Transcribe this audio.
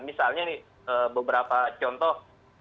misalnya nih beberapa contoh